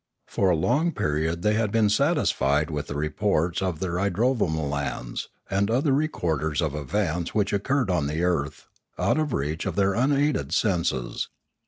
For a long period they had been satisfied with the re ports of their idrovamolans, and other recorders of events which occurred on the earth, out of reach of their unaided senses.